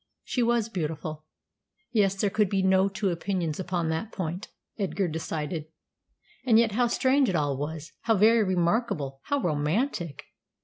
She was beautiful. Yes, there could be no two opinions upon that point, Edgar decided. And yet how strange it all was, how very remarkable, how romantic!